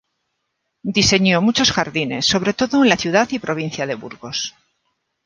Diseñó muchos jardines, sobre todo en la ciudad y provincia de Burgos.